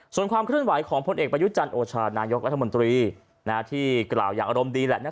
ส่วนความคลื่นหวัยของพลเอกประยุทธโจรชาตินายกรัฐมนตรีที่กล่าวอยากอารมณ์ดีกันแล้วอีก